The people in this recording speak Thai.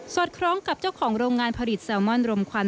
อดคล้องกับเจ้าของโรงงานผลิตแซลมอนรมควัน